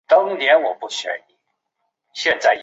银珠是豆科盾柱木属的植物。